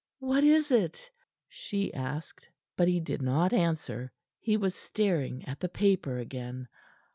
"What is it?" she asked. But he did not answer; he was staring at the paper again.